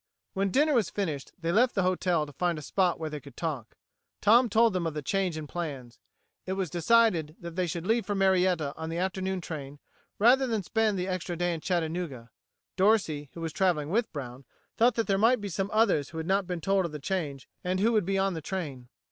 When dinner was finished, they left the hotel to find a spot where they could talk. Tom told them of the change in plans. It was decided that they should leave for Marietta on the afternoon train, rather than spend the extra day in Chattanooga. Dorsey, who was traveling with Brown, thought that there might be some others who had not been told of the change and who would be on the train.